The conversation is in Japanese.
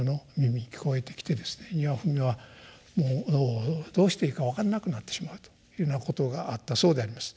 丹羽文雄はもうどうしていいか分かんなくなってしまうというようなことがあったそうであります。